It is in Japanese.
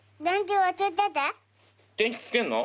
電気つけるの？